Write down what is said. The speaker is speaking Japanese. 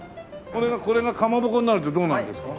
これがかまぼこになるとどうなるんですか？